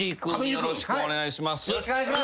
よろしくお願いします。